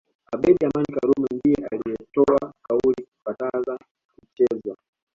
Abeid Amani Karume ndiye aliyetoa kauli kukataza kuchezwa